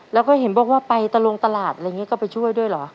แล้วก็เห็นบอกว่าไปตะลงตลาดอะไรอย่างนี้ก็ไปช่วยด้วยเหรอ